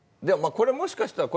これもしかしたら。